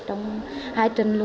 trong hai trần lũ